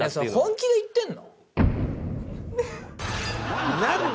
本気で言ってる？